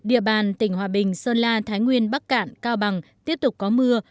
địa bàn tỉnh hòa bình sơn la thái nguyên bắc cạn cao bằng tiếp tục có mưa